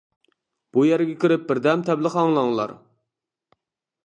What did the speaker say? بۇ يەرگە كىرىپ بىردەم تەبلىغ ئاڭلاڭلار!